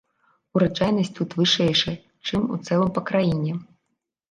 Ураджайнасць тут вышэйшая, чым у цэлым па краіне.